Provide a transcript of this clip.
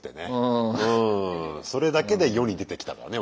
それだけで世に出てきたからね